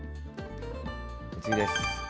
次です。